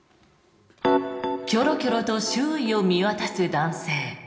キョロキョロと周囲を見渡す男性。